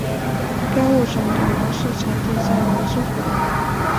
该物种的模式产地在芦之湖。